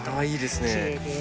いいですね。